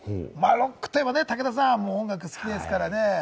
ロックといえば武田さん、音楽好きですからね。